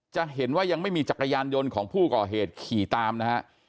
จะเห็นว่ายังไม่มีจักรยานยนต์ของผู้ก่อเหตุขี่ตามนะฮะ